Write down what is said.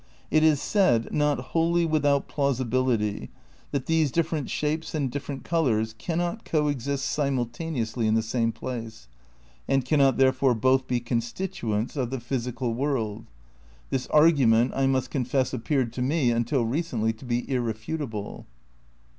"It is said, not wholly without plausibility, that these different shapes and different colours cannot eo exist simultaneously in the same place, and cannot therefore both be constituents of the physical n THE CRITICAL PREPARATIONS 43 world. This argument I must confess appeared to me until re cently to be irrefutable."